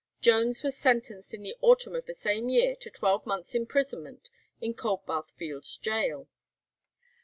Jones was sentenced in the autumn of the same year to twelve months' imprisonment in Coldbath Fields Gaol.